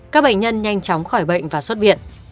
các bệnh nhân nhanh chóng khỏi bệnh và xuất viện